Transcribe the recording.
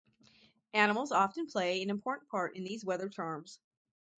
Animals often play an important part in these weather-charms.